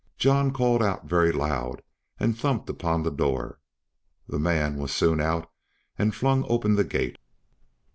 John called very loud and thumped upon the door; the man was soon out and flung open the gate.